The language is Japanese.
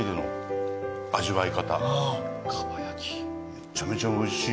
めちゃめちゃおいしい。